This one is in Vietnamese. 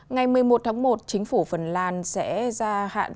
ngày một mươi một tháng một chính phủ phần lan sẽ ra hạn